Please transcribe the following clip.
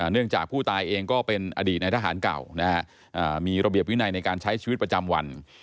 เนื่องจากผู้ตายเองก็เป็นอดีตในทหารเก่ามีระเบียบวินัยในการใช้ชีวิตประจำวัน